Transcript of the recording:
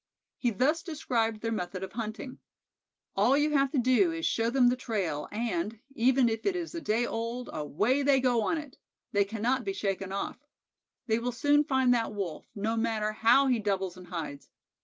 He thus described their method of hunting: "All you have to do is show them the trail and, even if it is a day old, away they go on it. They cannot be shaken off. They will soon find that Wolf, no matter how he doubles and hides.